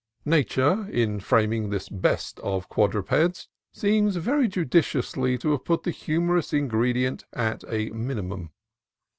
Nature, in framing this best of quadrupeds, seems very judiciously to have put the humorous ingredient at a minimum.